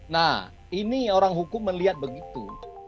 nah ini orang hukum melihat begitu